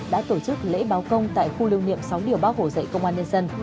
đã tổ chức lễ báo công tại khu liêu niệm sáu điều bác hổ dạy công an nhân dân